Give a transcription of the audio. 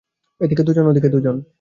এদিকে দুজন, ওদিকে দুজন।